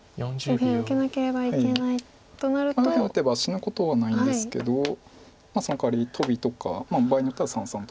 右辺打てば死ぬことはないんですけどそのかわりトビとか場合によっては三々とか。